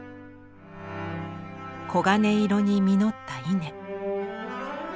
黄金色に実った稲。